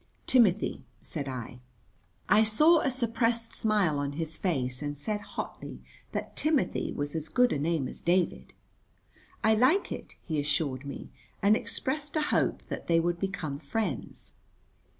"Timothy," said I. I saw a suppressed smile on his face, and said hotly that Timothy was as good a name as David. "I like it," he assured me, and expressed a hope that they would become friends.